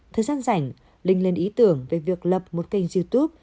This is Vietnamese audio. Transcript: thời gian rảnh linh lên ý tưởng về việc lập một kênh youtube